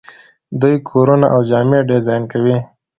دوی کورونه او جامې ډیزاین کوي.